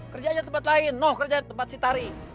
kerja aja di tempat lain nuh kerja di tempat si tari